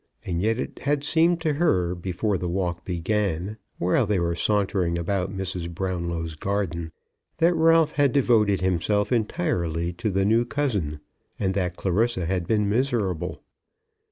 And yet it had seemed to her, before the walk began, while they were sauntering about Mrs. Brownlow's garden, that Ralph had devoted himself entirely to the new cousin, and that Clarissa had been miserable.